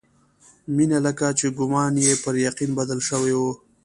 مينه لکه چې ګومان يې پر يقين بدل شوی و.